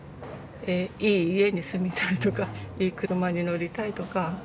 いい家に住みたい」とか「いい車に乗りたい」とか。